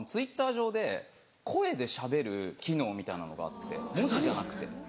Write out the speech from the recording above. Ｔｗｉｔｔｅｒ上で声でしゃべる機能みたいなのがあって文字じゃなくて。